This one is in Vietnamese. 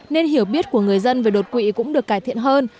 nên hiểu biết của người dân về đột quỵ cũng được cải thiện hơn